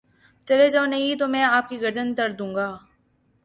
چلے جاؤ نہیں تو میں آپ کی گردن تڑ دوں گا